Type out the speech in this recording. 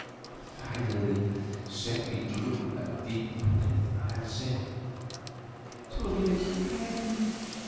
Finally Seppi drew a deep breath and said: "Two minutes to ten.